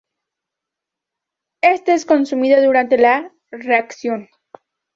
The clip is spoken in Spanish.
Ésta es consumida durante la reacción.